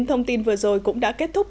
thông tin vừa rồi cũng đã kết thúc